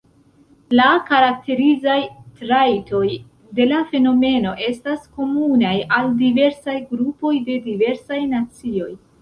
La karakterizaj trajtoj de la fenomeno estas komunaj al diversaj grupoj de diversaj nacioj.